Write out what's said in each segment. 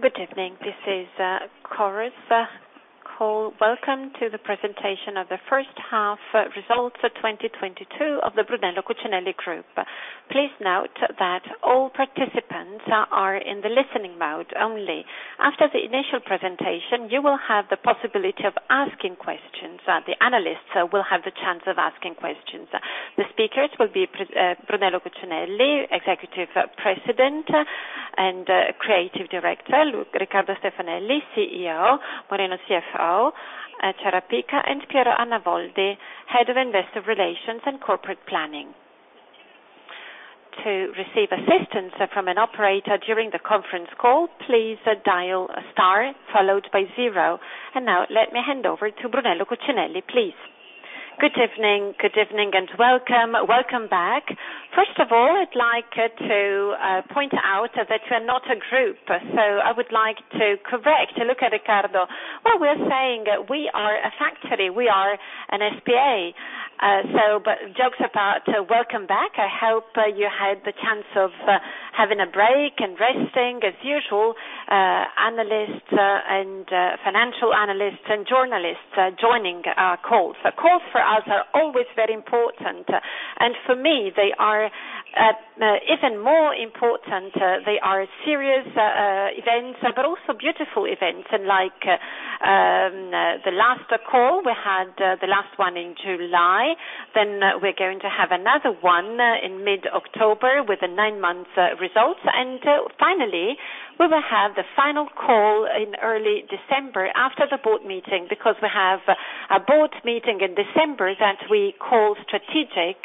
Good evening. This is Chorus Call. Welcome to the Presentation of the First Half Results of 2022 of the Brunello Cucinelli Group. Please note that all participants are in the listening mode only. After the initial presentation, you will have the possibility of asking questions, the analysts will have the chance of asking questions. The speakers will be Brunello Cucinelli, Executive Chairman and Creative Director, Riccardo Stefanelli, CEO, Moreno Ciarapica, CFO, and Pietro Arnaboldi, Head of Investor Relations and Corporate Planning. To receive assistance from an operator during the conference call, please dial star followed by zero. Now let me hand over to Brunello Cucinelli, please. Good evening, good evening and welcome. Welcome back. First of all, I'd like to point out that we're not a group, so I would like to correct Riccardo. What we're saying, we are a factory, we are an S.p.A. Jokes apart, welcome back. I hope you had the chance of having a break and resting. As usual, analysts and financial analysts and journalists joining our calls. Calls for us are always very important, and for me, they are even more important. They are serious events, but also beautiful events. Like the last call, we had the last one in July, then we're going to have another one in mid-October with the nine months results. Finally, we will have the final call in early December after the board meeting, because we have a board meeting in December that we call strategic.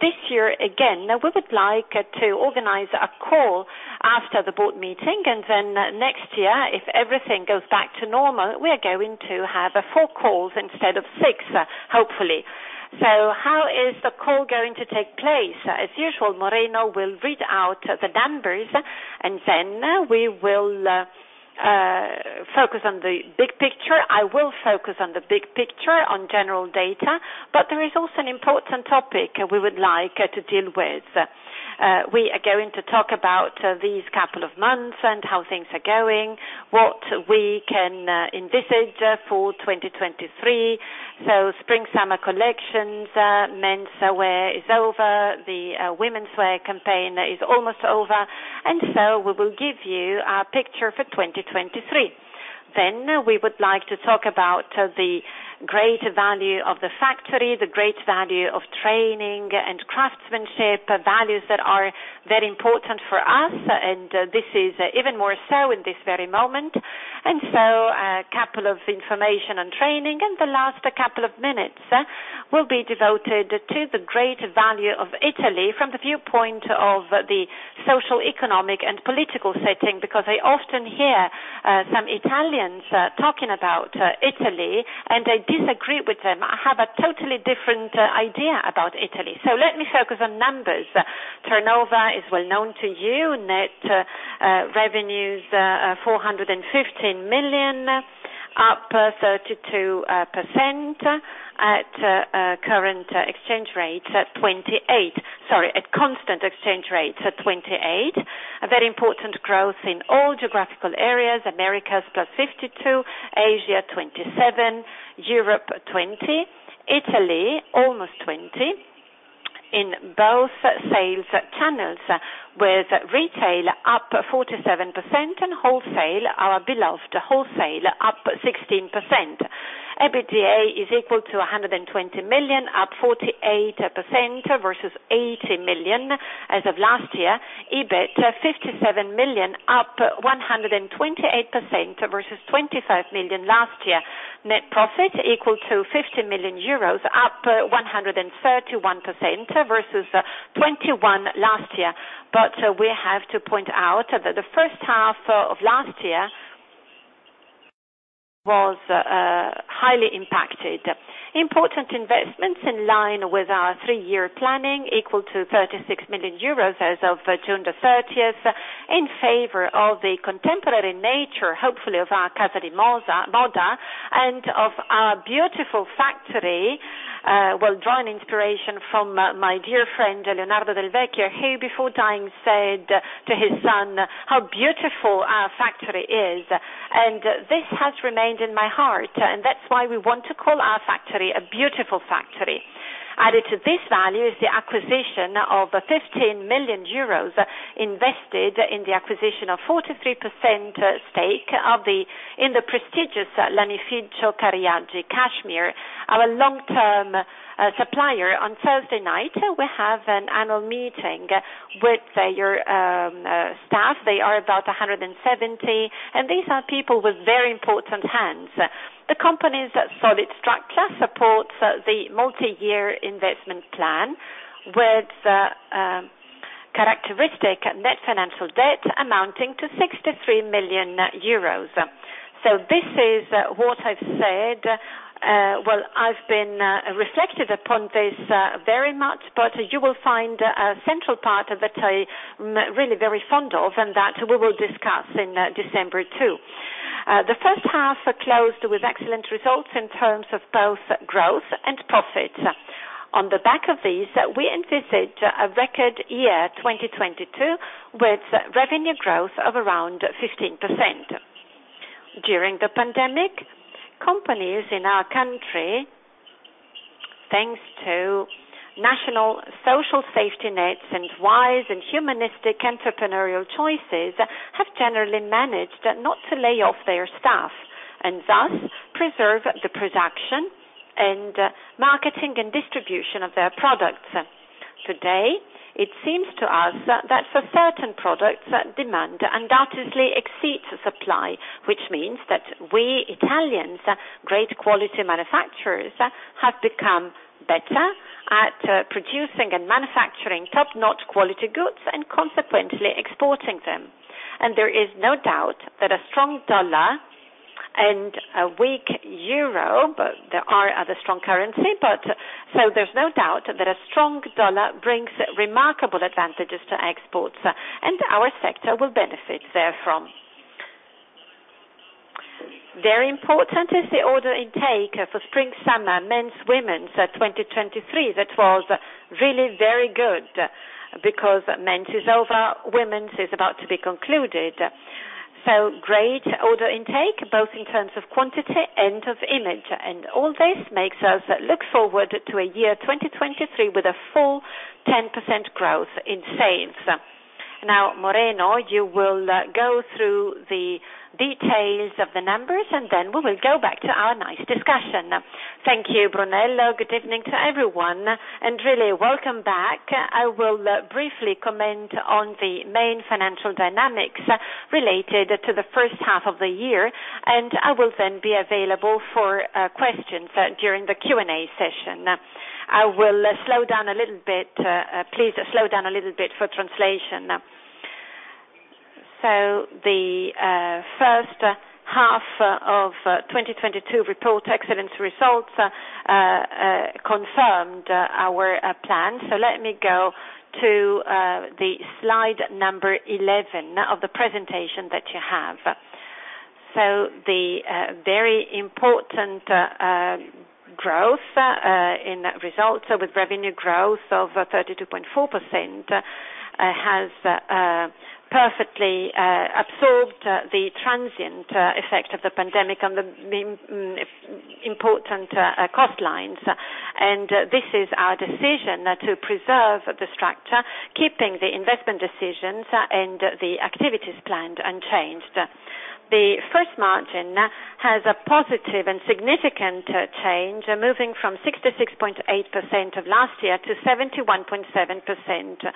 This year, again, we would like to organize a call after the board meeting, and then next year, if everything goes back to normal, we are going to have four calls instead of six, hopefully. How is the call going to take place? As usual, Moreno will read out the numbers, and then we will focus on the big picture. I will focus on the big picture on general data. There is also an important topic we would like to deal with. We are going to talk about these couple of months and how things are going, what we can envisage for 2023. Spring/summer collections, men's wear is over, the women's wear campaign is almost over. We will give you a picture for 2023. We would like to talk about the great value of the factory, the great value of training and craftsmanship, values that are very important for us. This is even more so in this very moment. A couple of information on training, and the last couple of minutes will be devoted to the great value of Italy from the viewpoint of the social, economic, and political setting, because I often hear some Italians talking about Italy, and I disagree with them. I have a totally different idea about Italy. Let me focus on numbers. Turnover is well known to you. Net revenues 415 million, up 32% at current exchange rate, 28%. Sorry, at constant exchange rate, 28%. A very important growth in all geographical areas. Americas, +52%, Asia, 27%, Europe, 20%, Italy, almost 20%. In both sales channels, with retail up 47% and wholesale, our beloved wholesale, up 16%. EBITDA is equal to 120 million, up 48% versus 80 million as of last year. EBIT, 57 million, up 128% versus 25 million last year. Net profit equal to 50 million euros, up 131% versus 21 million last year. We have to point out that the first half of last year was highly impacted. Important investments in line with our three-year planning equal to 36 million euros as of June 30, in favor of the contemporary nature, hopefully of our Casa di Moda, and of our beautiful factory, while drawing inspiration from my dear friend, Leonardo Del Vecchio, who before dying, said to his son how beautiful our factory is. This has remained in my heart, and that's why we want to call our factory a beautiful factory. Added to this value is the acquisition of 15 million euros invested in the acquisition of 43% stake in the prestigious Lanificio Cariaggi Cashmere, our long-term supplier. On Thursday night, we have an annual meeting with your staff. They are about 170, and these are people with very important hands. The company's solid structure supports the multi-year investment plan with characteristic net financial debt amounting to 63 million euros. This is what I've said, while I've been reflective upon this very much, but you will find a central part that I'm really very fond of and that we will discuss in December too. The first half closed with excellent results in terms of both growth and profit. On the back of this, we envisage a record year 2022, with revenue growth of around 15%. During the pandemic, companies in our country, thanks to national social safety nets and wise and humanistic entrepreneurial choices, have generally managed not to lay off their staff and thus preserve the production and marketing and distribution of their products. Today, it seems to us that for certain products, demand undoubtedly exceeds supply, which means that we Italians, great quality manufacturers, have become better at producing and manufacturing top-notch quality goods and consequently exporting them. There is no doubt that a strong U.S. dollar and a weak euro, but there are other strong currencies, but so there's no doubt that a strong U.S. dollar brings remarkable advantages to exports, and our sector will benefit therefrom. Very important is the order intake for spring/summer men's, women's 2023. That was really very good, because men's is over, women's is about to be concluded. Great order intake, both in terms of quantity and of image. All this makes us look forward to a year 2023 with a full 10% growth in sales. Now, Moreno, you will go through the details of the numbers, and then we will go back to our nice discussion. Thank you, Brunello. Good evening to everyone, and really welcome back. I will briefly comment on the main financial dynamics related to the first half of the year, and I will then be available for questions during the Q&A session. I will slow down a little bit, please slow down a little bit for translation. The first half of 2022 reported excellent results, confirmed our plan. Let me go to the slide number 11 of the presentation that you have. The very important growth in results with revenue growth of 32.4% has perfectly absorbed the transient effect of the pandemic on the important cost lines. This is our decision to preserve the structure, keeping the investment decisions and the activities planned unchanged. The first margin has a positive and significant change, moving from 66.8% of last year to 71.7%,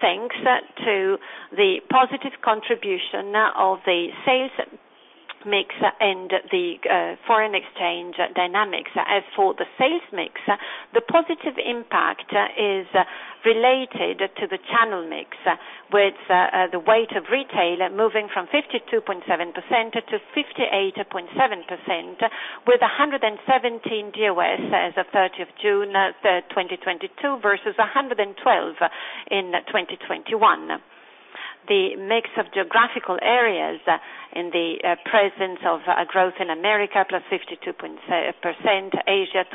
thanks to the positive contribution of the sales mix and the foreign exchange dynamics. As for the sales mix, the positive impact is related to the channel mix, with the weight of retail moving from 52.7% to 58.7%, with 117 DOS as of the 3rd of June, 2022 versus 112 in 2021. The mix of geographical areas in the presence of a growth in America, +52.7%, Asia, 27.2%,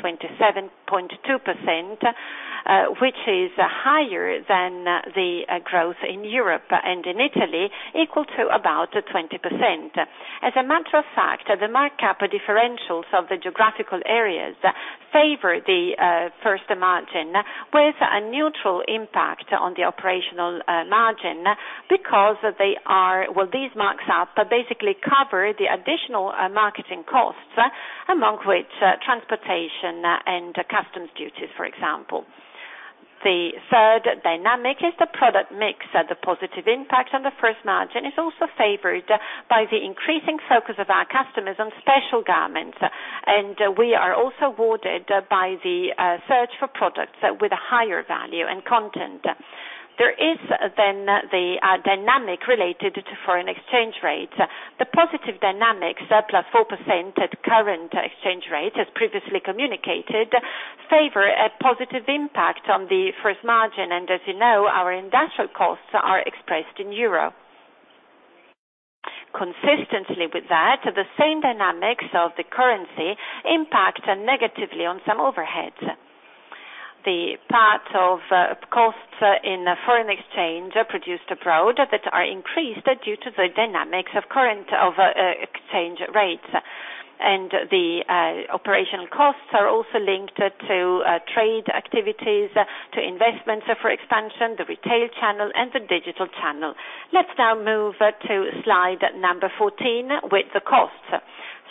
which is higher than the growth in Europe and in Italy equal to about 20%. As a matter of fact, the markup differentials of the geographical areas favor the gross margin with a neutral impact on the operating margin because they are, well these markups basically cover the additional marketing costs, among which transportation and customs duties, for example. The third dynamic is the product mix. The positive impact on the first margin is also favored by the increasing focus of our customers on special garments. We are also awarded by the search for products with a higher value and content. There is the dynamic related to foreign exchange rates. The positive dynamics, +4% at current exchange rate, as previously communicated, favor a positive impact on the first margin. As you know, our industrial costs are expressed in euro. Consistently with that, the same dynamics of the currency impact negatively on some overheads. The part of costs in foreign exchange produced abroad that are increased due to the dynamics of the current exchange rates. The operational costs are also linked to trade activities, to investments for expansion, the retail channel and the digital channel. Let's now move to slide number 14, with the costs.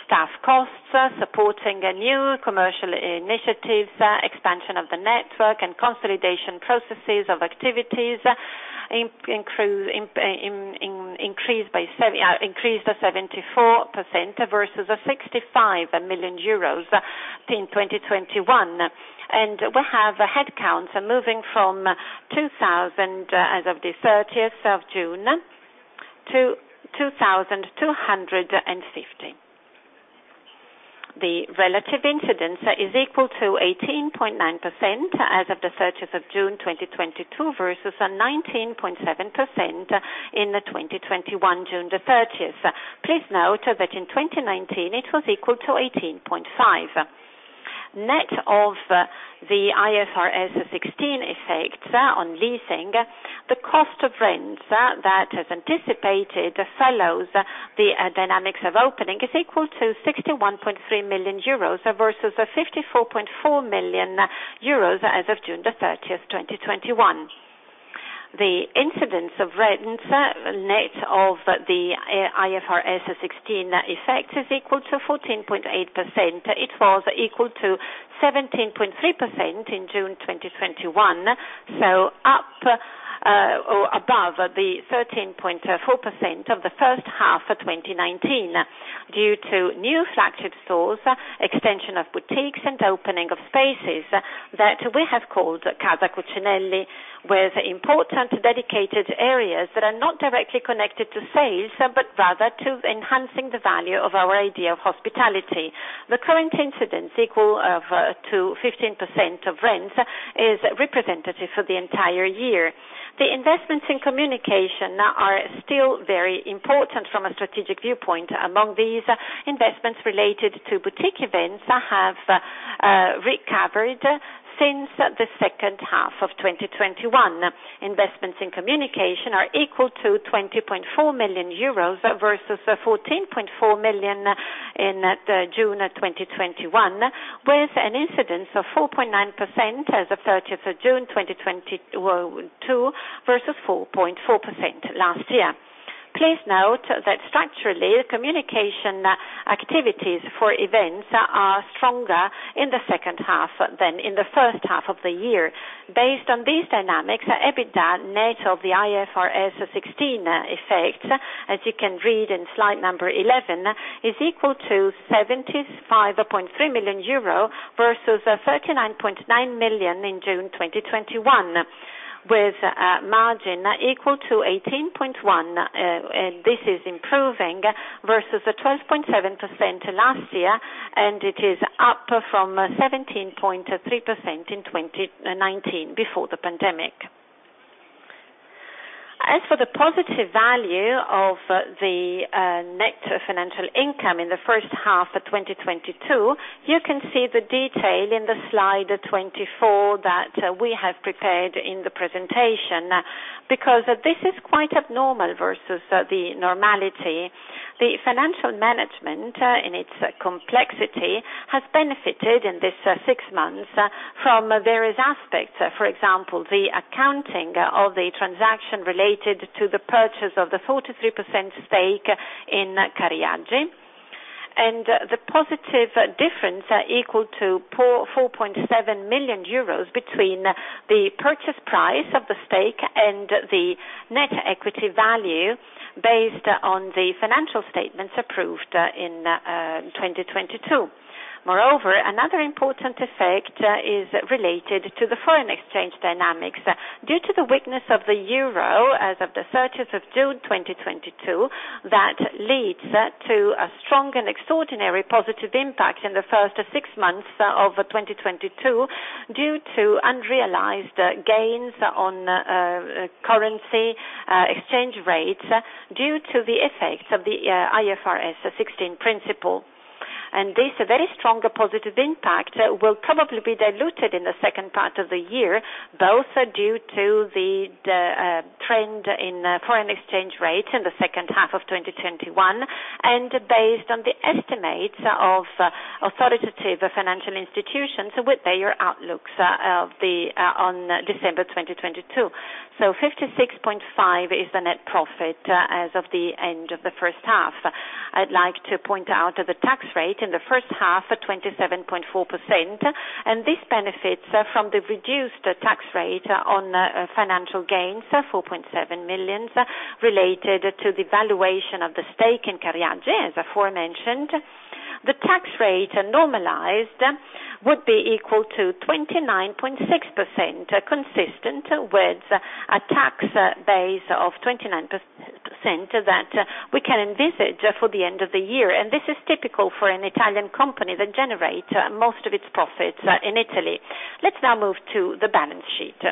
Staff costs supporting new commercial initiatives, expansion of the network, and consolidation processes of activities increased by 74% versus 65 million euros in 2021. We have a headcount moving from 2,000 as of the 30th of June to 2,250. The relative incidence is equal to 18.9% as of the 30th of June 2022 versus 19.7% in 2021, June the 30th. Please note that in 2019 it was equal to 18.5%. Net of the IFRS 16 effect on leasing, the cost of rents that is anticipated follows the dynamics of opening is equal to 61.3 million euros versus 54.4 million euros as of June the 30th, 2021. The incidence of rents net of the IFRS 16 effect is equal to 14.8%. It was equal to 17.3% in June 2021, so up or above the 13.4% of the first half of 2019 due to new flagship stores, extension of boutiques, and opening of spaces that we have called Casa Cucinelli, with important dedicated areas that are not directly connected to sales, but rather to enhancing the value of our idea of hospitality. The current incidence equal to 15% of rent is representative for the entire year. The investments in communication are still very important from a strategic viewpoint. Among these, investments related to boutique events have recovered since the second half of 2021. Investments in communication are equal to 20.4 million euros versus 14.4 million in June 2021, with an incidence of 4.9% as of 30th of June, 2022 versus 4.4% last year. Please note that structurally, communication activities for events are stronger in the second half than in the first half of the year. Based on these dynamics, EBITDA net of the IFRS 16 effect, as you can read in slide number 11, is equal to 75.3 million euro versus 39.9 million in June 2021, with a margin equal to 18.1%, this is improving, versus a 12.7% last year, and it is up from 17.3% in 2019 before the pandemic. As for the positive value of the net financial income in the first half of 2022, you can see the detail in the slide 24 that we have prepared in the presentation, because this is quite abnormal versus the normality. The financial management in its complexity has benefited in this six months from various aspects, for example, the accounting of the transaction related to the purchase of the 43% stake in Cariaggi, and the positive difference equal to 4.7 million euros between the purchase price of the stake and the net equity value based on the financial statements approved in 2022. Moreover, another important effect is related to the foreign exchange dynamics. Due to the weakness of the euro as of the 30th of June, 2022, that leads to a strong and extraordinary positive impact in the first six months of 2022 due to unrealized gains on currency exchange rates due to the effects of the IFRS 16 principle. This very strong positive impact will probably be diluted in the second part of the year, both due to the trend in foreign exchange rate in the second half of 2021 and based on the estimates of authoritative financial institutions with their outlooks on December 2022. 56.5 million is the net profit as of the end of the first half. I'd like to point out the tax rate in the first half, at 27.4%, and this benefits from the reduced tax rate on financial gains, 4.7 million, related to the valuation of the stake in Cariaggi, as aforementioned. The tax rate normalized would be equal to 29.6%, consistent with a tax base of 29% that we can envisage for the end of the year. This is typical for an Italian company that generate most of its profits in Italy. Let's now move to the balance sheet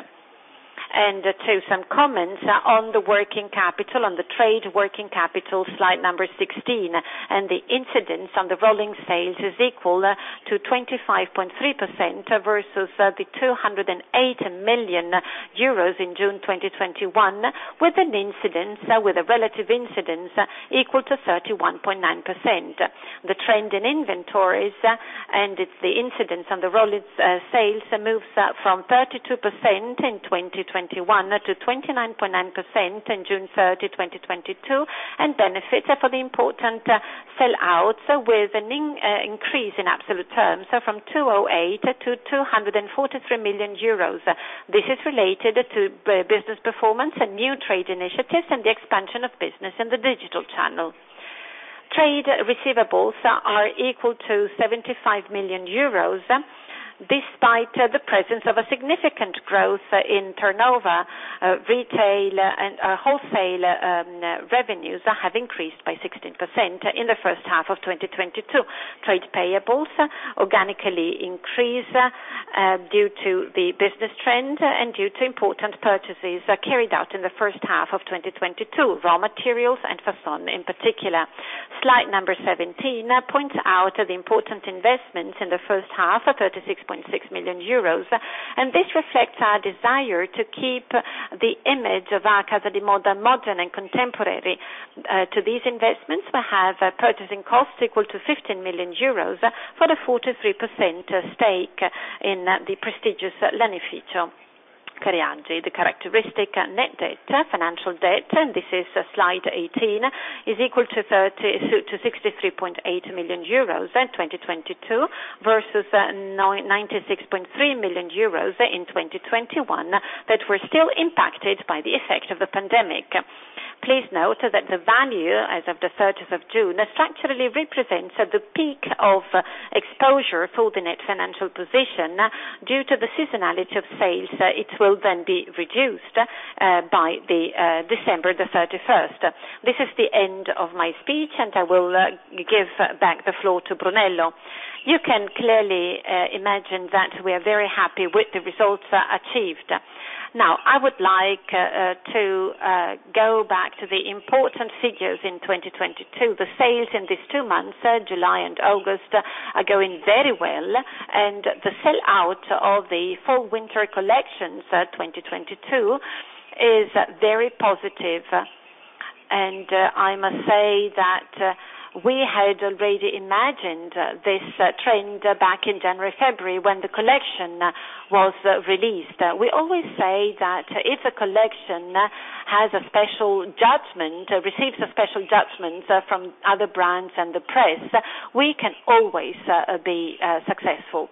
and to some comments on the working capital, on the trade working capital, slide number 16. The incidence on the rolling sales is equal to 25.3% versus the 208 million euros in June 2021, with a relative incidence equal to 31.9%. The trend in inventories and its incidence on the rolling sales moves from 32% in 2021 to 29.9% in June 30, 2022, and benefits for the important sell out with an increase in absolute terms from 208 million to 243 million euros. This is related to business performance, and new trade initiatives, and the expansion of business in the digital channel. Trade receivables are equal to 75 million euros. Despite the presence of a significant growth in turnover, retail and wholesale revenues have increased by 16% in the first half of 2022. Trade payables organically increase due to the business trend and due to important purchases carried out in the first half of 2022. Raw materials and façonné in particular. Slide 17 points out the important investments in the first half of 36.6 million euros. This reflects our desire to keep the image of our Casa di Moda modern and contemporary. To these investments, we have purchasing costs equal to 15 million euros for the 43% stake in the prestigious Lanificio Cariaggi. The characteristic net debt, financial debt, and this is slide 18, is equal to 63.8 million euros in 2022 versus 96.3 million euros in 2021 that were still impacted by the effect of the pandemic. Please note that the value as of the 30th of June structurally represents the peak of exposure for the net financial position. Due to the seasonality of sales, it will then be reduced by the December the 31st. This is the end of my speech, and I will give back the floor to Brunello. You can clearly imagine that we are very happy with the results achieved. Now, I would like to go back to the important figures in 2022. The sales in these two months, July and August, are going very well, and the sell-out of the fall winter collections 2022 is very positive. I must say that we had already imagined this trend back in January, February, when the collection was released. We always say that if a collection has a special judgment, receives a special judgment from other brands and the press, we can always be successful.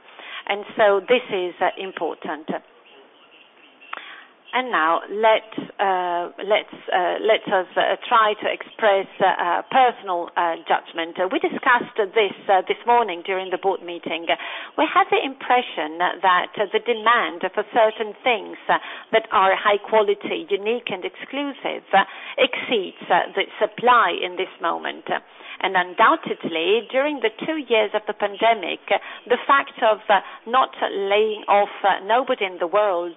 Now, let us try to express a personal judgment. We discussed this morning during the board meeting. We had the impression that the demand for certain things that are high quality, unique and exclusive exceeds the supply in this moment. Undoubtedly, during the two years of the pandemic, the fact of not laying off nobody in the world,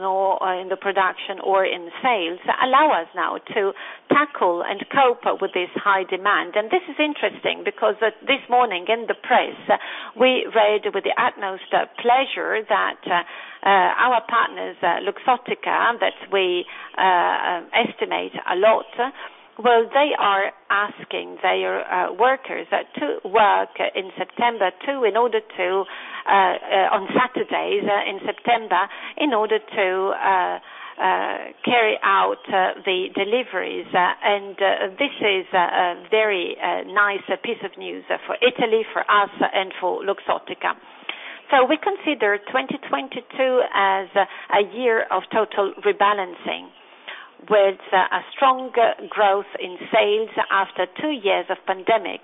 nor in the production or in sales, allow us now to tackle and cope with this high demand. This is interesting because this morning in the press, we read with the utmost pleasure that our partners, Luxottica, that we estimate a lot, well, they are asking their workers to work in September, too, on Saturdays in September, in order to carry out the deliveries. This is a very nice piece of news for Italy, for us and for Luxottica. We consider 2022 as a year of total rebalancing with a strong growth in sales after two years of pandemic.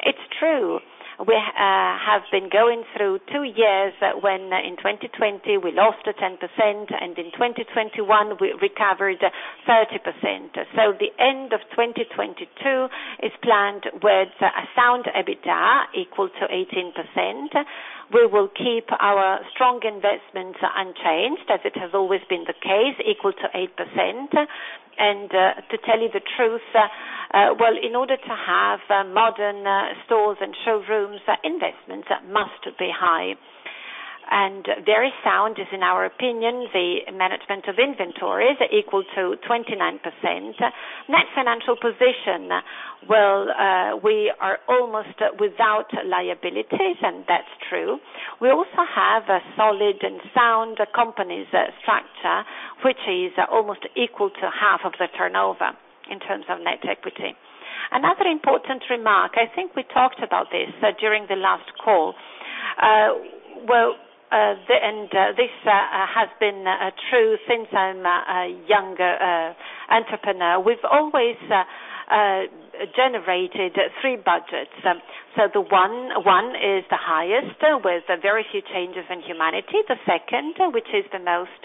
It's true, we have been going through two years when in 2020 we lost 10% and in 2021 we recovered 30%. The end of 2022 is planned with a sound EBITDA equal to 18%. We will keep our strong investments unchanged, as it has always been the case, equal to 8%. To tell you the truth, well, in order to have modern stores and showrooms, investments must be high. Very sound is, in our opinion, the management of inventories equal to 29%. Net financial position, well, we are almost without liabilities, and that's true. We also have a solid and sound company structure, which is almost equal to half of the turnover in terms of net equity. Another important remark, I think we talked about this during the last call, and this has been true since I'm a younger entrepreneur. We've always generated three budgets. The one is the highest with very few changes in humanity. The second, which is the most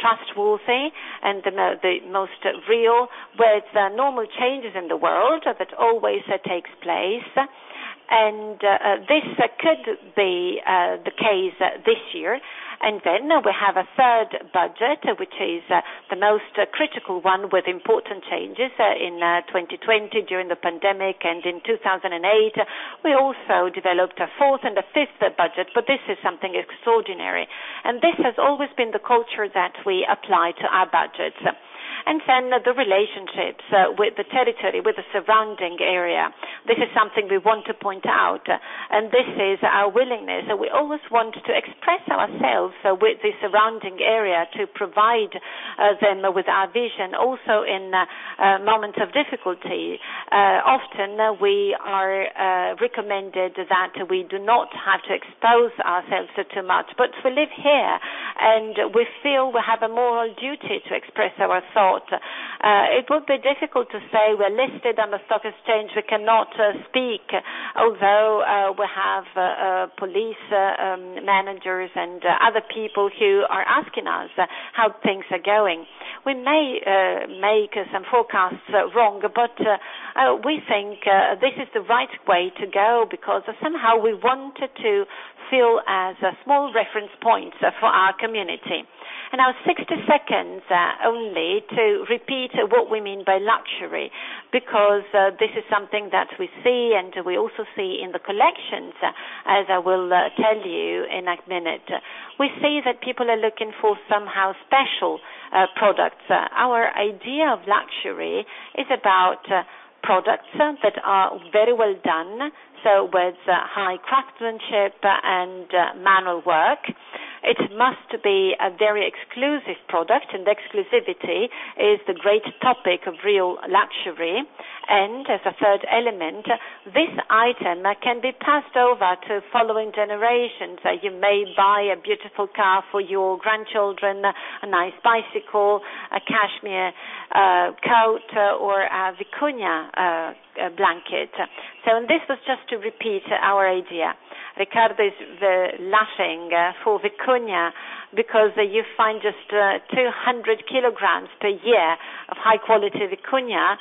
trustworthy and the most real, with normal changes in the world that always takes place. This could be the case this year. We have a third budget, which is the most critical one, with important changes in 2020 during the pandemic and in 2008. We also developed a fourth and a fifth budget, but this is something extraordinary, and this has always been the culture that we apply to our budgets. The relationships with the territory, with the surrounding area. This is something we want to point out, and this is our willingness. We always want to express ourselves with the surrounding area to provide them with our vision. Also in moments of difficulty, often, we are recommended that we do not have to expose ourselves too much. We live here, and we feel we have a moral duty to express our thought. It would be difficult to say we're listed on the stock exchange, we cannot speak, although we have public managers and other people who are asking us how things are going. We may make some forecasts wrong, but we think this is the right way to go because somehow we wanted to feel as a small reference point for our community. Now 60 seconds only to repeat what we mean by luxury, because this is something that we see and we also see in the collections, as I will tell you in a minute. We see that people are looking for somehow special products. Our idea of luxury is about products that are very well done, so with high craftsmanship and manual work. It must be a very exclusive product, and exclusivity is the great topic of real luxury. As a third element, this item can be passed over to following generations. You may buy a beautiful car for your grandchildren, a nice bicycle, a cashmere coat, or a vicuña blanket. This was just to repeat our idea. Riccardo is laughing for vicuña because you find just 200 kg per year of high quality vicuña.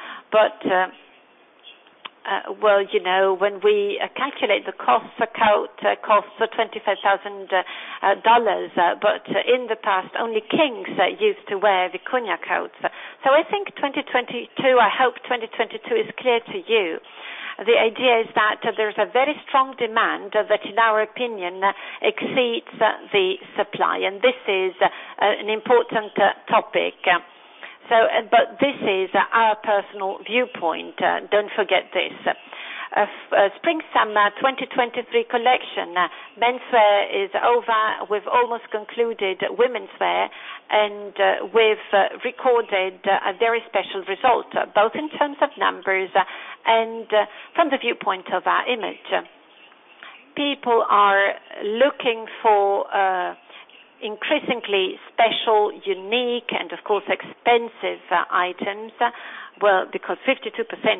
Well, you know, when we calculate the cost, a coat costs $25,000. In the past, only kings used to wear vicuña coats. I think 2022, I hope 2022 is clear to you. The idea is that there's a very strong demand that, in our opinion, exceeds the supply. This is an important topic. This is our personal viewpoint. Don't forget this. Spring/summer 2023 collection. Menswear is over. We've almost concluded womenswear, and we've recorded a very special result, both in terms of numbers and from the viewpoint of our image. People are looking for increasingly special, unique, and of course, expensive items. Well, because 52%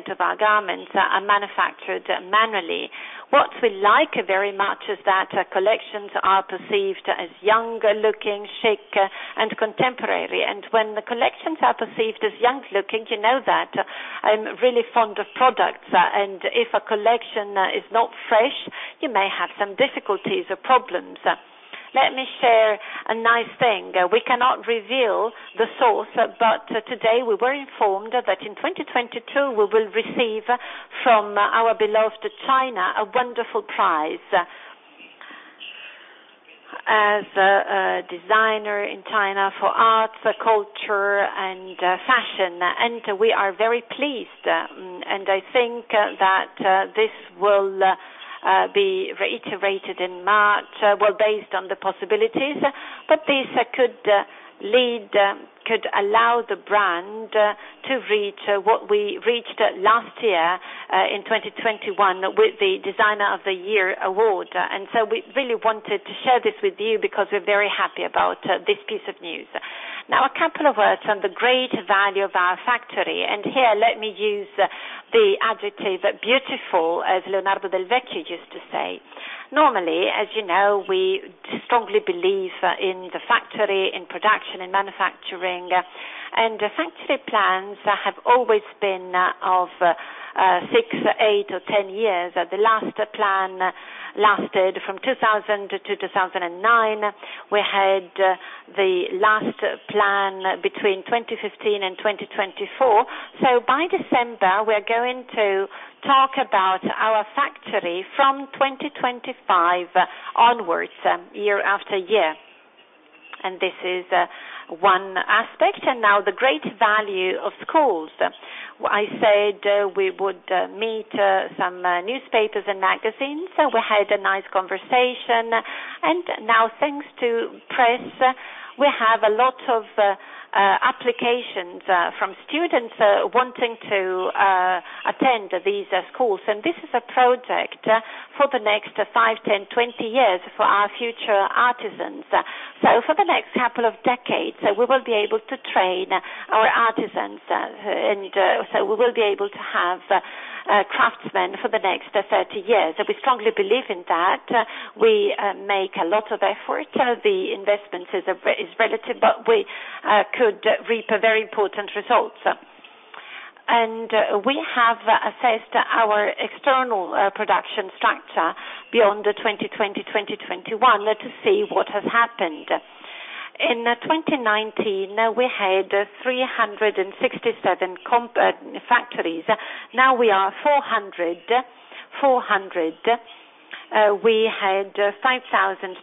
of our garments are manufactured manually. What we like very much is that collections are perceived as younger looking, chic, and contemporary. When the collections are perceived as young looking, you know that I'm really fond of products. If a collection is not fresh, you may have some difficulties or problems. Let me share a nice thing. We cannot reveal the source, but today we were informed that in 2022 we will receive from our beloved China a wonderful prize. As a designer in China for arts, culture and fashion. We are very pleased, and I think that this will be reiterated in March, based on the possibilities. This could allow the brand to reach what we reached last year in 2021 with the Designer of the Year award. We really wanted to share this with you because we're very happy about this piece of news. Now, a couple of words on the great value of our factory. Here, let me use the adjective beautiful, as Leonardo Del Vecchio used to say. Normally, as you know, we strongly believe in the factory, in production, in manufacturing. Factory plans have always been of six, eight or 10 years. The last plan lasted from 2000 to 2009. We had the last plan between 2015 and 2024. By December, we're going to talk about our factory from 2025 onwards, year after year. This is one aspect. Now the great value of schools. I said we would meet some newspapers and magazines. We had a nice conversation. Now, thanks to press, we have a lot of applications from students wanting to attend these schools. This is a project for the next five, 10, 20 years for our future artisans. For the next couple of decades, we will be able to train our artisans. We will be able to have craftsmen for the next 30 years. We strongly believe in that. We make a lot of effort. The investment is relative, but we could reap very important results. We have assessed our external production structure beyond 2020, 2021 to see what has happened. In 2019, we had 367 factories. Now we are 400. We had 5,000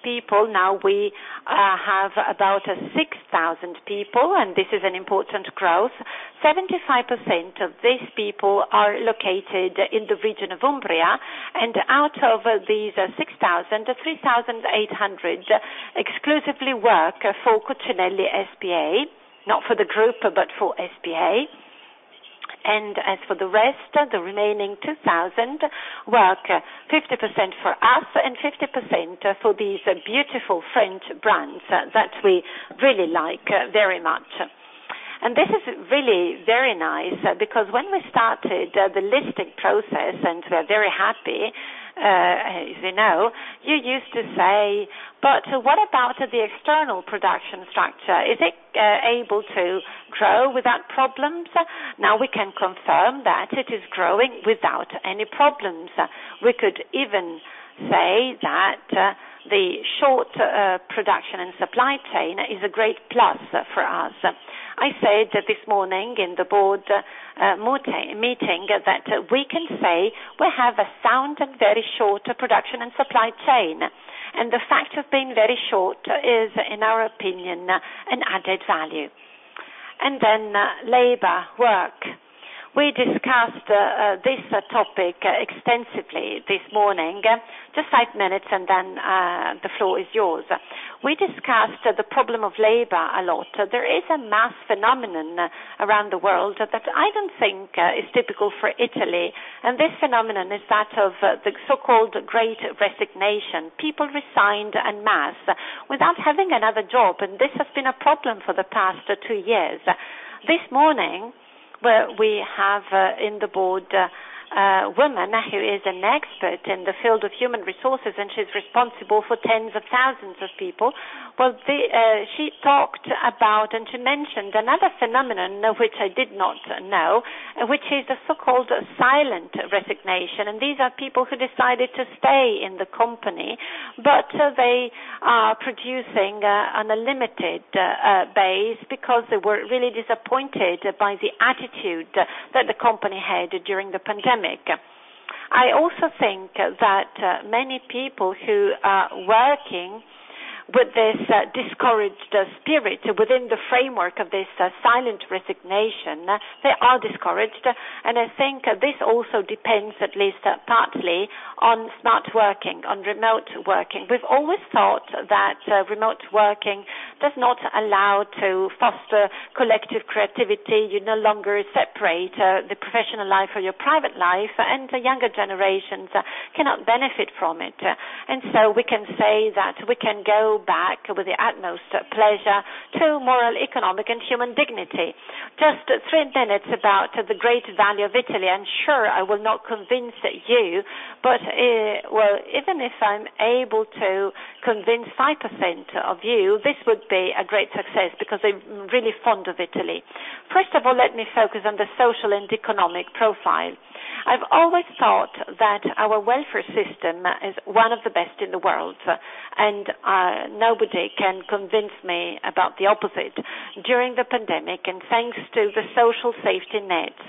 people. Now we have about 6,000 people. This is an important growth. 75% of these people are located in the region of Umbria. Out of these 6,000, 3,800 exclusively work for Cucinelli S.p.A., not for the group, but for S.p.A. As for the rest, the remaining 2,000, work 50% for us and 50% for these beautiful French brands that we really like very much. This is really very nice, because when we started the listing process, and we are very happy, as you know, you used to say, "But what about the external production structure? Is it able to grow without problems?" Now we can confirm that it is growing without any problems. We could even say that the short production and supply chain is a great plus for us. I said this morning in the board meeting that we can say we have a sound and very short production and supply chain. The fact of being very short is, in our opinion, an added value. Then labor, work. We discussed this topic extensively this morning. Just five minutes, and then the floor is yours. We discussed the problem of labor a lot. There is a mass phenomenon around the world that I don't think is typical for Italy, and this phenomenon is that of the so-called Great Resignation. People resigned en masse without having another job, and this has been a problem for the past two years. This morning, we have on the board a woman who is an expert in the field of human resources, and she's responsible for tens of thousands of people. Well, she talked about, and she mentioned another phenomenon, which I did not know, which is the so-called silent resignation. These are people who decided to stay in the company, but they are producing on a limited basis because they were really disappointed by the attitude that the company had during the pandemic. I also think that many people who are working with this discouraged spirit within the framework of this silent resignation, they are discouraged. I think this also depends, at least partly, on smart working, on remote working. We've always thought that remote working does not allow to foster collective creativity. You no longer separate the professional life or your private life, and the younger generations cannot benefit from it. We can say that we can go back with the utmost pleasure to moral, economic, and human dignity. Just three minutes about the great value of Italy. I'm sure I will not convince you, but, well, even if I'm able to convince 5% of you, this would be a great success, because I'm really fond of Italy. First of all, let me focus on the social and economic profile. I've always thought that our welfare system is one of the best in the world, and nobody can convince me about the opposite. During the pandemic, and thanks to the social safety nets,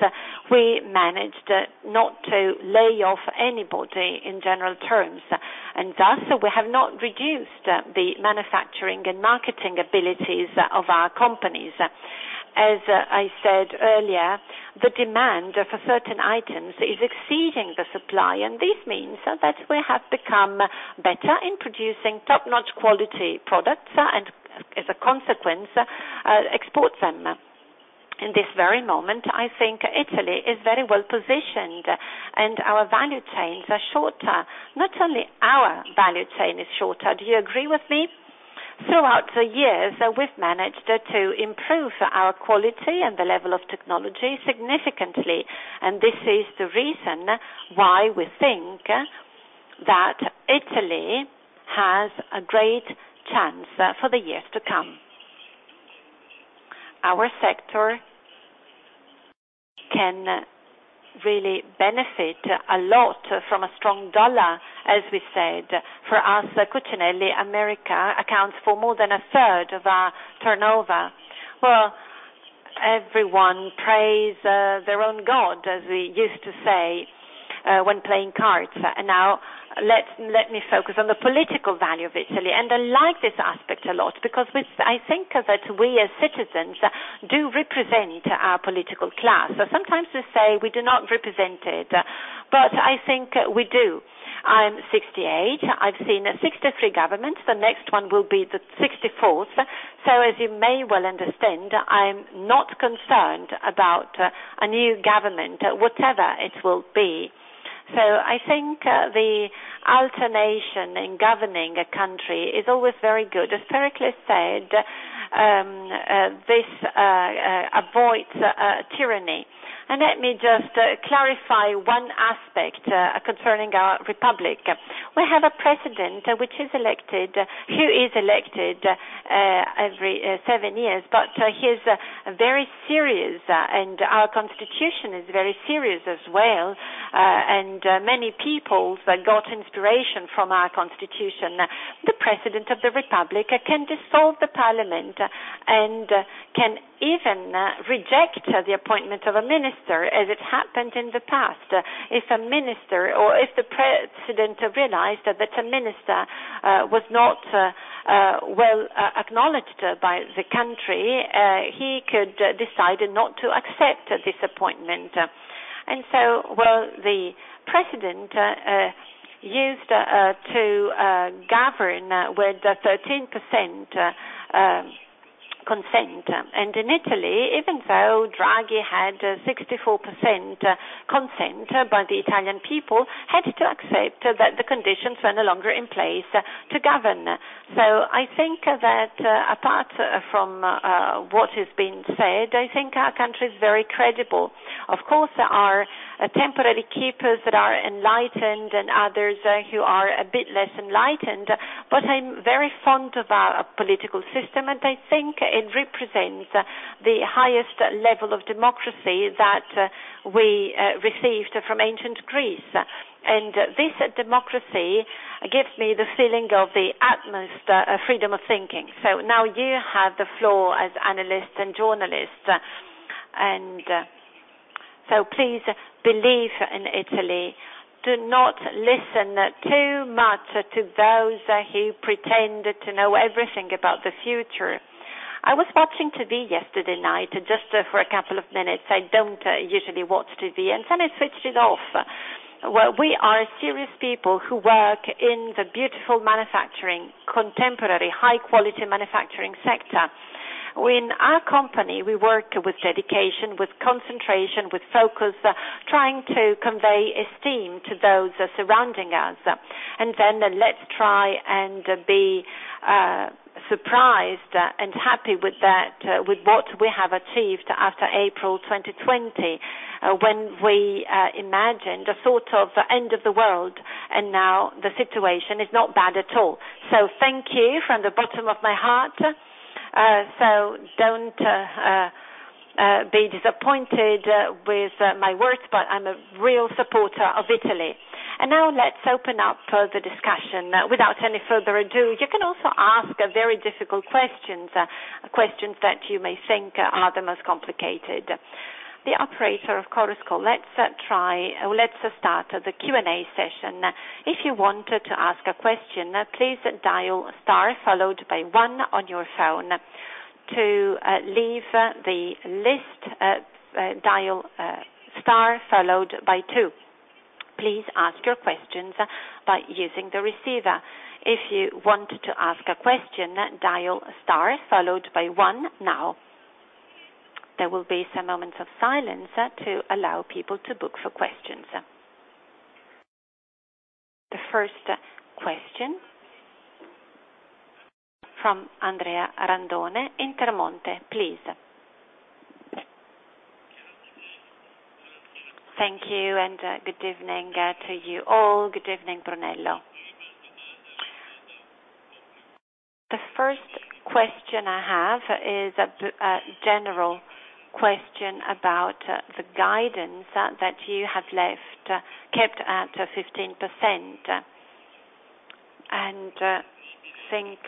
we managed not to lay off anybody in general terms. Thus, we have not reduced the manufacturing and marketing abilities of our companies. As I said earlier, the demand for certain items is exceeding the supply, and this means that we have become better in producing top-notch quality products and, as a consequence, export them. In this very moment, I think Italy is very well positioned, and our value chains are shorter. Not only our value chain is shorter. Do you agree with me? Throughout the years, we've managed to improve our quality and the level of technology significantly, and this is the reason why we think that Italy has a great chance for the years to come. Our sector can really benefit a lot from a strong dollar, as we said. For us, at Cucinelli, America accounts for more than a third of our turnover. Well, everyone prays their own God, as we used to say, when playing cards. Now, let me focus on the political value of Italy. I like this aspect a lot because I think that we as citizens do represent our political class. Sometimes we say we do not represent it, but I think we do. I'm 68. I've seen 63 governments. The next one will be the 64th. As you may well understand, I'm not concerned about a new government, whatever it will be. I think the alternation in governing a country is always very good. As Pericles said, this avoids tyranny. Let me just clarify one aspect concerning our republic. We have a president who is elected every seven years, but he's very serious, and our constitution is very serious as well. Many people got inspiration from our constitution. The president of the republic can dissolve the parliament and can even reject the appointment of a minister, as it happened in the past. If a minister or if the president realized that a minister was not well acknowledged by the country, he could decide not to accept this appointment. The president used to govern with 13% consent. In Italy, even though Draghi had 64% consent by the Italian people, had to accept that the conditions were no longer in place to govern. I think that apart from what has been said, I think our country is very credible. Of course, there are temporary keepers that are enlightened and others who are a bit less enlightened. I'm very fond of our political system, and I think it represents the highest level of democracy that we received from ancient Greece. This democracy gives me the feeling of the utmost freedom of thinking. Now you have the floor as analysts and journalists, and so please believe in Italy. Do not listen too much to those who pretend to know everything about the future. I was watching TV yesterday night, just for a couple of minutes. I don't usually watch TV, and then I switched it off. Well, we are serious people who work in the beautiful manufacturing, contemporary, high quality manufacturing sector. In our company, we work with dedication, with concentration, with focus, trying to convey esteem to those surrounding us. Let's try and be surprised and happy with what we have achieved after April 2020, when we imagined a sort of end of the world, and now the situation is not bad at all. Thank you from the bottom of my heart. Don't be disappointed with my words, but I'm a real supporter of Italy. Now, let's open up for the discussion. Without any further ado, you can also ask very difficult questions that you may think are the most complicated. The operator, Chorus Call. Let's try. Let's start the Q&A session. If you want to ask a question, please dial star followed by one on your phone. To leave the list, dial star followed by two. Please ask your questions by using the receiver. If you want to ask a question, dial star followed by one now. There will be some moments of silence to allow people to queue for questions. The first question from Andrea Randone, Intermonte, please. Thank you and good evening to you all. Good evening, Brunello. The first question I have is a general question about the guidance that you have left, kept at 15%. I think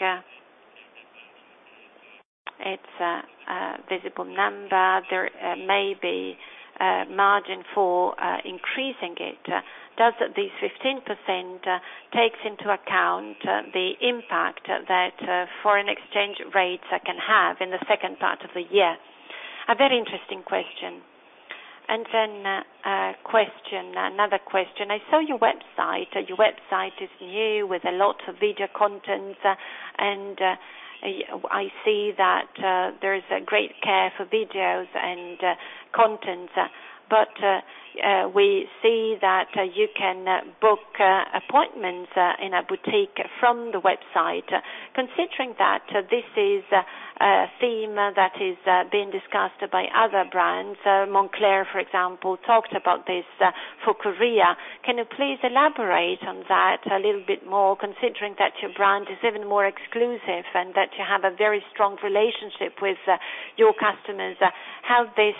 it's a visible number. There may be a margin for increasing it. Does this 15% take into account the impact that foreign exchange rates can have in the second part of the year? A very interesting question. A question, another question. I saw your website. Your website is new with a lot of video content, and I see that there is a great care for videos and content. We see that you can book appointments in a boutique from the website. Considering that this is a theme that is being discussed by other brands, Moncler, for example, talked about this for Korea. Can you please elaborate on that a little bit more, considering that your brand is even more exclusive and that you have a very strong relationship with your customers? How this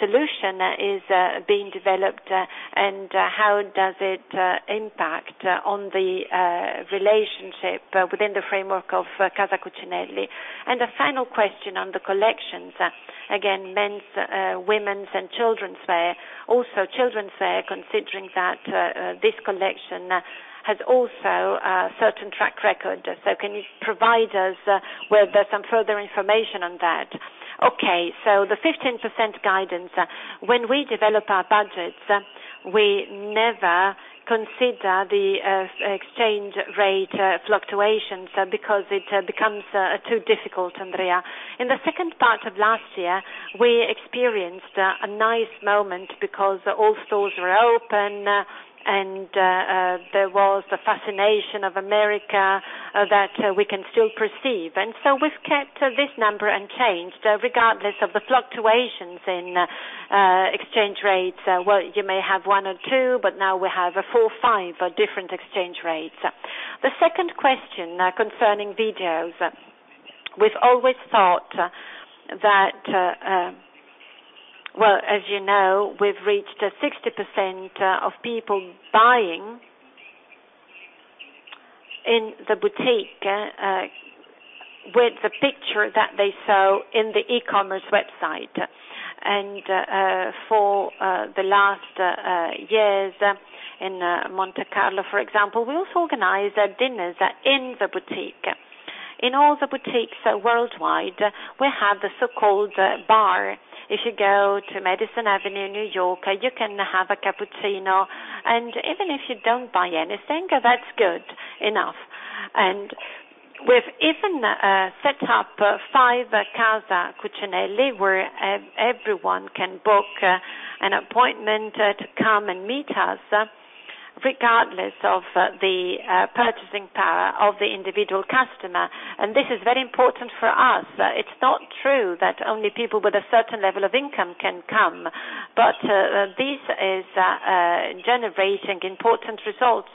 solution is being developed and how does it impact on the relationship within the framework of Casa Cucinelli? A final question on the collections. Again, men's, women's and children's wear. Also children's wear, considering that this collection has also a certain track record. Can you provide us with some further information on that? Okay, the 15% guidance. When we develop our budgets, we never consider the exchange rate fluctuations because it becomes too difficult, Andrea. In the second part of last year, we experienced a nice moment because all stores were open and there was the fascination of America that we can still perceive. We've kept this number unchanged regardless of the fluctuations in exchange rates. Well, you may have one or two, but now we have four or five different exchange rates. The second question concerning videos, we've always thought that, well, as you know, we've reached 60% of people buying in the boutique with the picture that they saw in the e-commerce website. For the last years in Monte Carlo, for example, we also organize dinners in the boutique. In all the boutiques worldwide, we have the so-called bar. If you go to Madison Avenue, New York, you can have a cappuccino. Even if you don't buy anything, that's good enough. We've even set up five Casa Cucinelli where everyone can book an appointment to come and meet us, regardless of the purchasing power of the individual customer. This is very important for us. It's not true that only people with a certain level of income can come. This is generating important results.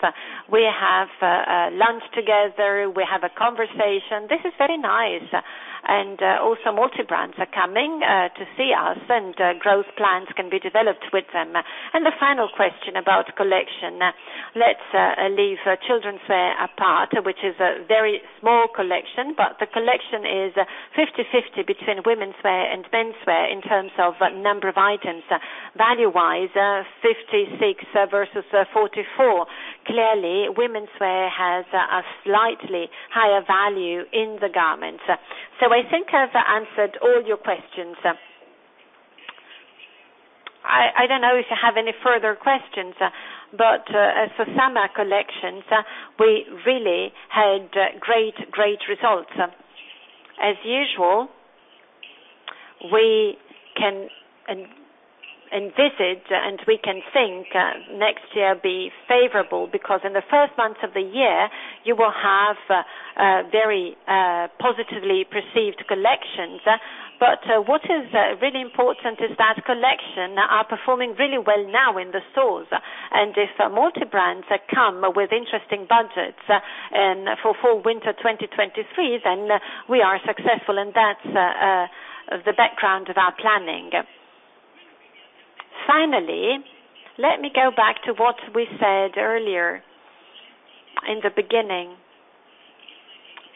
We have lunch together. We have a conversation. This is very nice. Also multi-brands are coming to see us, and growth plans can be developed with them. The final question about collection. Let's leave children's wear apart, which is a very small collection, but the collection is 50/50 between womenswear and menswear in terms of number of items. Value-wise, 56% versus 44%. Clearly, womenswear has a slightly higher value in the garments. I think I've answered all your questions. I don't know if you have any further questions, but for summer collections, we really had great results. As usual, we can envisage, and we can think next year be favorable because in the first months of the year, you will have very positively perceived collections. What is really important is that collection are performing really well now in the stores. If multi-brands come with interesting budgets for fall/winter 2023, then we are successful, and that's the background of our planning. Finally, let me go back to what we said earlier in the beginning.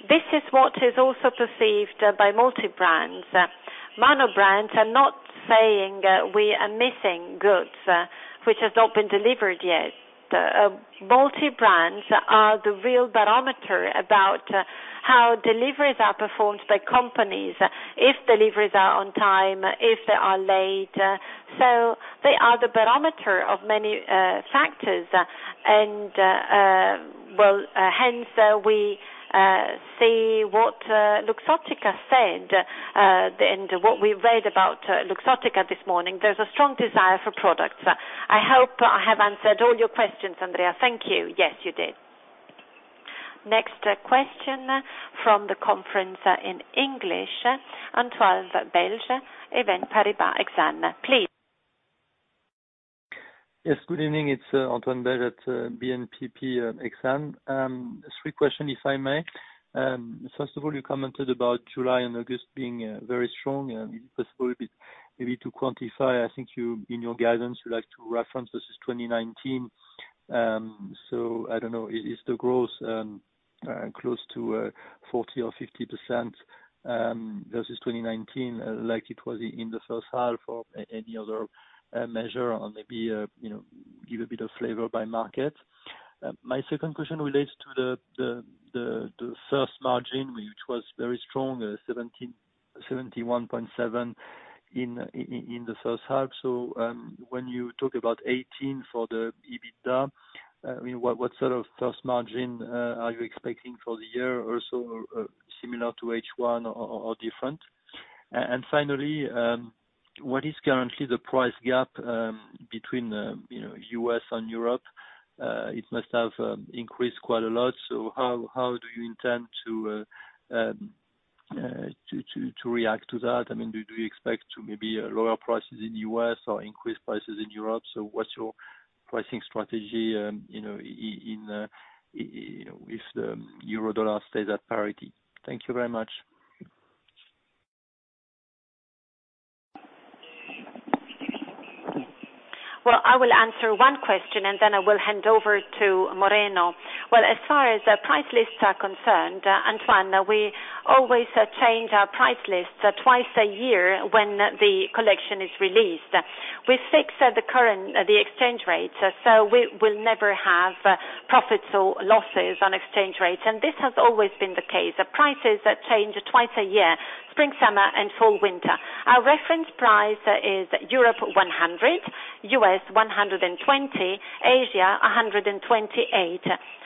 This is what is also perceived by multi-brands. Mono-brands are not saying we are missing goods, which has not been delivered yet. Multi-brands are the real barometer about how deliveries are performed by companies, if deliveries are on time, if they are late. They are the barometer of many factors. Well, hence, we see what Luxottica said, and what we read about Luxottica this morning. There's a strong desire for products. I hope I have answered all your questions, Andrea. Thank you. Yes, you did. Next question from the conference in English, Antoine Belge, BNP Paribas Exane, please. Yes, good evening. It's Antoine Belge at BNPP Exane. Three questions, if I may. First of all, you commented about July and August being very strong. Is it possible maybe to quantify? I think you, in your guidance, you like to reference versus 2019. I don't know. Is the growth close to 40% or 50% versus 2019 like it was in the first half, or any other measure, or maybe, you know, give a bit of flavor by market? My second question relates to the gross margin, which was very strong, 71.7% in the first half. When you talk about 18% for the EBITDA, I mean, what sort of EBIT margin are you expecting for the year or so, similar to H1 or different? And finally, what is currently the price gap between, you know, U.S. and Europe? It must have increased quite a lot, so how do you intend to react to that? I mean, do you expect to maybe lower prices in U.S. or increase prices in Europe? What's your pricing strategy, you know, in you know, if the euro/dollar stays at parity? Thank you very much. Well, I will answer one question, and then I will hand over to Moreno. Well, as far as price lists are concerned, Antoine, we always change our price lists twice a year when the collection is released. We fix the current, the exchange rate, so we will never have profits or losses on exchange rate. This has always been the case. The prices change twice a year, spring/summer and fall/winter. Our reference price is Europe 100, U.S. 120, Asia 128.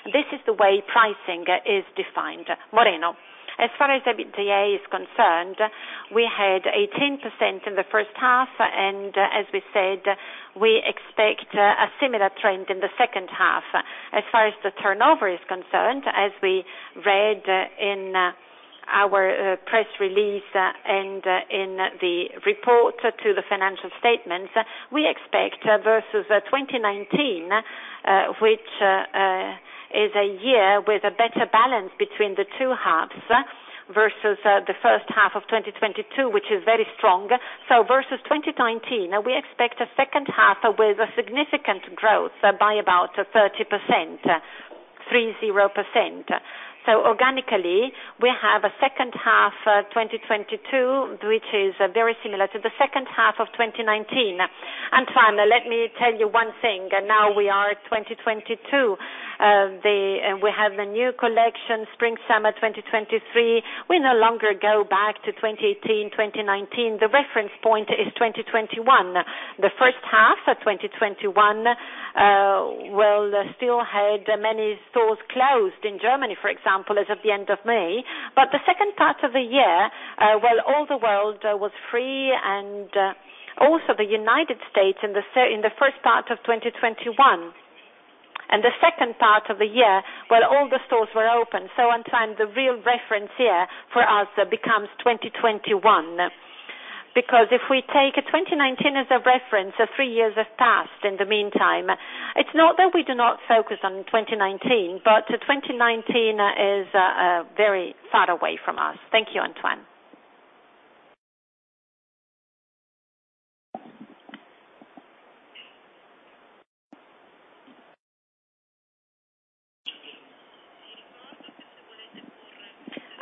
This is the way pricing is defined. Moreno. As far as EBITDA is concerned, we had 18% in the first half, and as we said, we expect a similar trend in the second half. As far as the turnover is concerned, as we read in our press release and in the report to the financial statements, we expect versus 2019, which is a year with a better balance between the two halves versus the first half of 2022, which is very strong. Versus 2019, we expect a second half with a significant growth by about 30%, 30%. Organically, we have a second half 2022, which is very similar to the second half of 2019. Antoine, let me tell you one thing. Now, we are at 2022. We have the new collection spring/summer 2023. We no longer go back to 2018, 2019. The reference point is 2021. The first half of 2021 still had many stores closed in Germany, for example, as of the end of May. The second part of the year, all the world was free, and, also the United States in the first part of 2021 and the second part of the year, all the stores were open. Antoine, the real reference year for us becomes 2021. Because if we take 2019 as a reference, three years have passed in the meantime. It's not that we do not focus on 2019, but 2019 is very far away from us. Thank you, Antoine.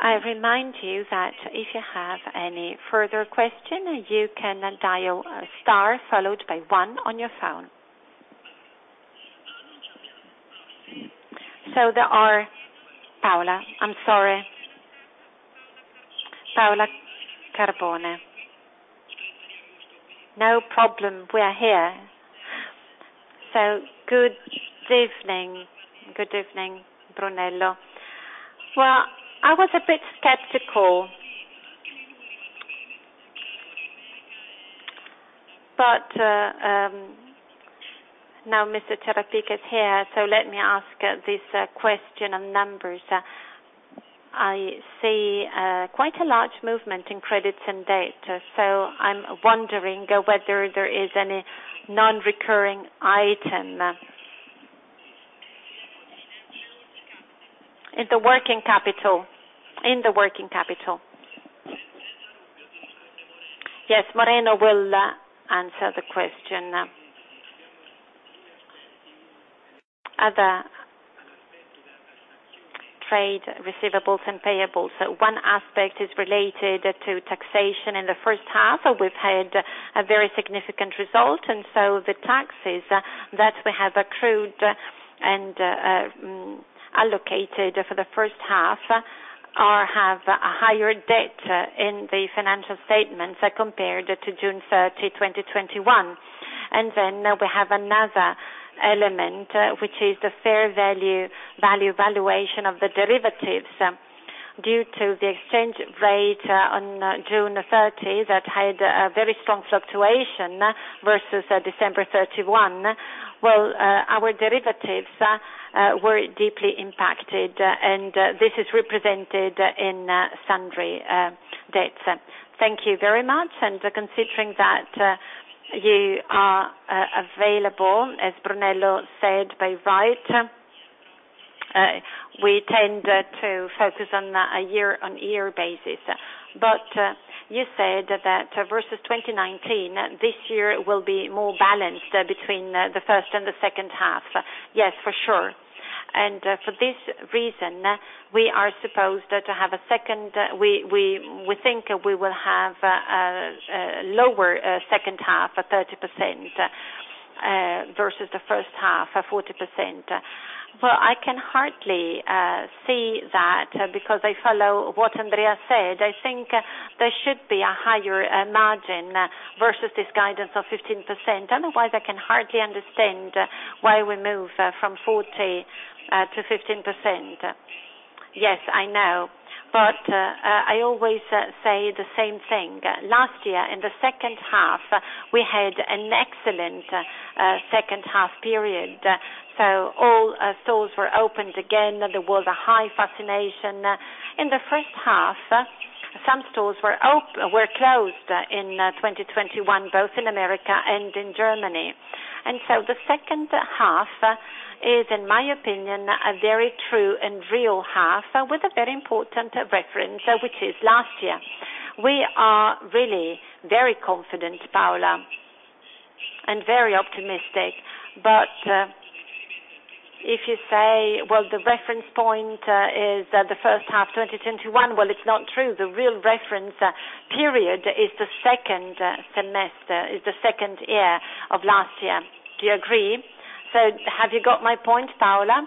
I remind you that if you have any further question, you can dial star followed by one on your phone. There are. Paola, I'm sorry. Paola Carboni. No problem, we are here. Good evening. Good evening, Brunello. Well, I was a bit skeptical. Now, Mr. Ciarapica is here, so let me ask this question on numbers. I see quite a large movement in credits and debits. I'm wondering whether there is any non-recurring item in the working capital? Yes, Moreno will answer the question. Other trade receivables and payables. One aspect is related to taxation in the first half. We've had a very significant result, and so the taxes that we have accrued and allocated for the first half have a higher debit in the financial statements compared to June 30, 2021. Then we have another element, which is the fair value valuation of the derivatives. Due to the exchange rate on June 30 that had a very strong fluctuation versus December 31, our derivatives were deeply impacted, and this is represented in sundry debts. Thank you very much. Considering that you are available, as Brunello said by the way, we tend to focus on a year-on-year basis. You said that versus 2019, this year will be more balanced between the first and the second half. Yes, for sure. For this reason, we think we will have a lower second half, 30% versus the first half, 40%. I can hardly see that because I follow what Andrea said. I think there should be a higher margin versus this guidance of 15%. Otherwise, I can hardly understand why we move from 40 to 15%? Yes, I know. I always say the same thing. Last year, in the second half, we had an excellent second half period. All stores were opened again. There was a high fascination. In the first half, some stores were closed in 2021, both in America and in Germany. The second half is, in my opinion, a very true and real half with a very important reference, which is last year. We are really very confident, Paola, and very optimistic. If you say, well, the reference point is the first half, 2021, well, it's not true. The real reference period is the second semester, is the second year of last year. Do you agree? Have you got my point, Paola?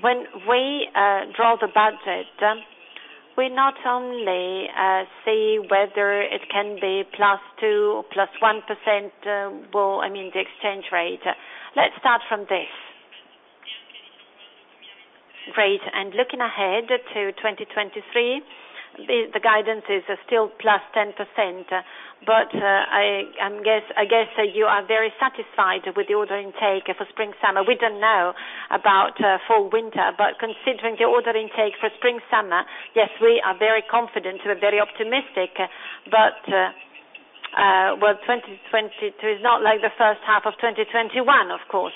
When we draw the budget, we not only see whether it can be +2%, +1%, well, I mean, the exchange rate. Let's start from this. Great. Looking ahead to 2023, the guidance is still +10%. I guess you are very satisfied with the order intake for spring/summer We don't know about fall/winter, but considering the order intake for spring/summer, yes, we are very confident. We're very optimistic. 2022 is not like the first half of 2021, of course.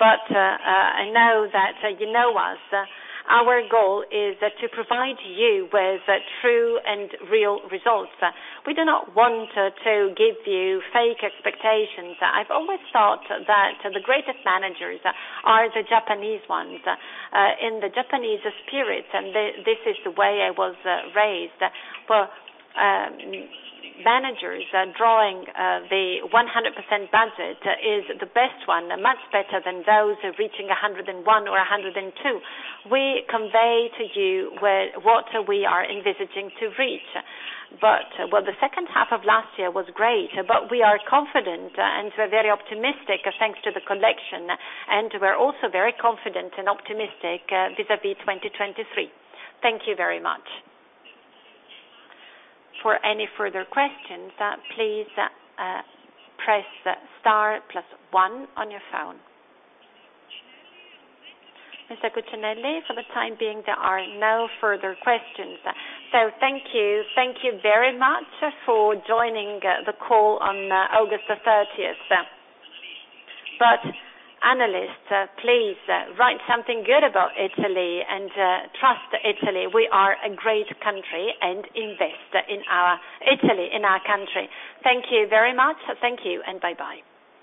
I know that you know us. Our goal is to provide you with true and real results. We do not want to give you fake expectations. I've always thought that the greatest managers are the Japanese ones. In the Japanese spirit, and this is the way I was raised, but managers drawing the 100% budget is the best one, much better than those reaching 101 or 102. We convey to you what we are envisaging to reach. The second half of last year was great, but we are confident, and we're very optimistic, thanks to the collection, and we're also very confident and optimistic vis-à-vis 2023. Thank you very much. For any further questions, please press star plus one on your phone. Mr. Cucinelli, for the time being, there are no further questions. Thank you. Thank you very much for joining the call on August 30. Analysts, please write something good about Italy, and trust Italy. We are a great country and invest in our Italy, in our country. Thank you very much. Thank you, and bye-bye.